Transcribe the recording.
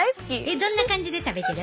どんな感じで食べてる？